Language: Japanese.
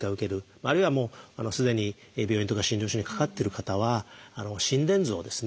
あるいはすでに病院とか診療所にかかってる方は心電図をですね